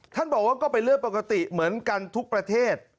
ท่านบอกว่าก็เป็นเรื่องปกติเหมือนกันทุกประเทศ